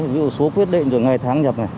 ví dụ số quyết định ngày tháng nhập